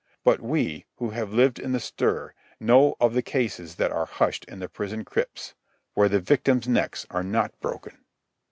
But we who have lived in the stir know of the cases that are hushed in the prison crypts, where the victim's necks are not broken.